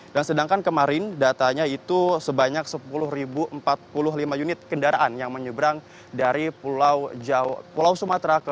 dan sedangkan kemarin datanya itu sebanyak sepuluh empat puluh lima unit kendaraan yang menyeberang dari pulau sumatera